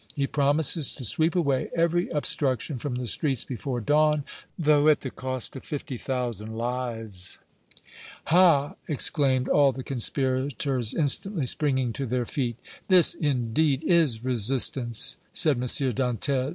He promises to sweep away every obstruction from the streets before dawn, though at the cost of fifty thousand lives." "Ha!" exclaimed all the conspirators, instantly springing to their feet. "This, indeed, is resistance!" said M. Dantès.